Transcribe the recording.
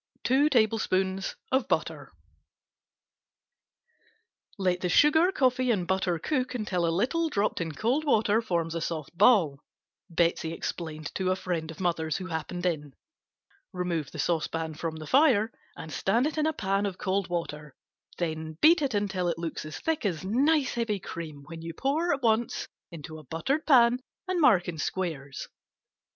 Butter, 2 tablespoons Let sugar, coffee and butter cook until a little dropped in cold water forms a soft ball, Betsey explained to a friend of mother's who happened in, remove saucepan from fire and stand in a pan of cold water, then beat until it looks as thick as nice heavy cream, when you pour at once into a buttered pan and mark in squares.